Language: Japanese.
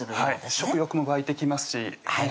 食欲も湧いてきますしはい